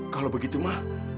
kalau begitu ma